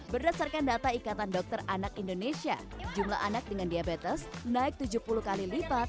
berdasarkan data ikatan dokter anak indonesia jumlah anak dengan diabetes naik tujuh puluh kali lipat